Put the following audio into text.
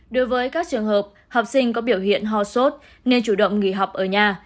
đối với các trường hợp học sinh có biểu hiện ho sốt nên chủ động nghỉ học ở nhà